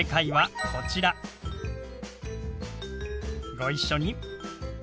ご一緒に。